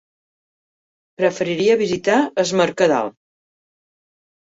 Preferiria visitar Es Mercadal.